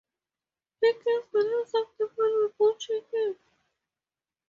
He gives the leaves of the palm a good shaking.